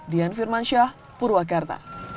dian firman syah purwakarta